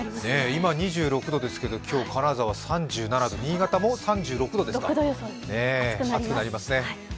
今２６度ですけど、今日、金沢は３７度、新潟も３６度ですか、暑くなりますね。